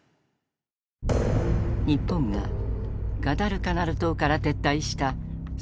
日本がガダルカナル島から撤退した１９４３年初め。